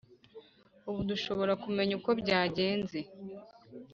ubu dushobora kumenya uko byagenze!